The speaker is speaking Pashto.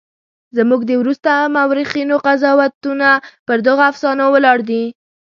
زموږ د وروسته مورخینو قضاوتونه پر دغو افسانو ولاړ دي.